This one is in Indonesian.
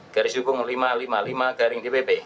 garis hukum lima ratus lima puluh lima garing dpp